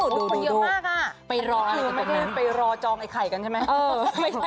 อ๋อเยอะมากอะแค่นี้คือไม่ได้ไปรอจองไอ้ไข่กันใช่ไหม